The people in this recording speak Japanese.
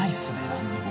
何にも。